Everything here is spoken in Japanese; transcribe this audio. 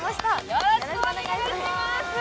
よろしくお願いします！